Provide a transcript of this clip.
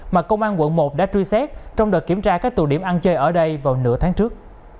mà công an quận một đã truy xét trong đợt kiểm tra các tù điểm ăn chơi ở đây vào nửa tháng trước